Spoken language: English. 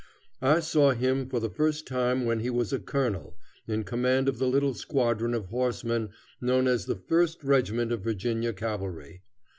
I saw him for the first time when he was a colonel, in command of the little squadron of horsemen known as the first regiment of Virginia cavalry.